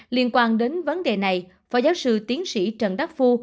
liên quan đến vấn đề này phó giáo sư tiến sĩ trần đắc phu